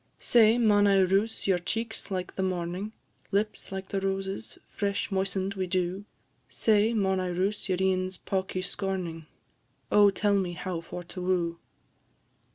Say, maun I roose your cheeks like the morning? Lips, like the roses, fresh moisten'd wi' dew; Say, maun I roose your een's pawkie scorning? Oh, tell me how for to woo!